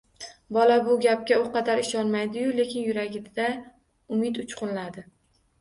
Bola bu gapga u qadar ishonmadi-yu, lekin yuragida umid uchqunladi